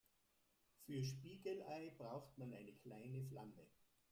Für Spiegelei braucht man eine kleine Flamme.